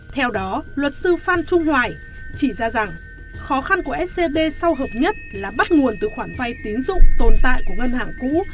theo đó luật sư phan trung hoài chỉ ra rằng khó khăn của scb sau hợp nhất là bắt nguồn từ khoản vay tín dụng tồn tại của ngân hàng cũ